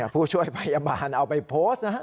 ผู้ช่วยพยาบาลเอาไปโพสต์นะครับ